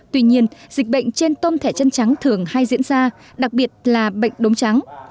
tuy nhiên dịch bệnh trên tôm thẻ chân trắng thường hay diễn ra đặc biệt là bệnh đống trắng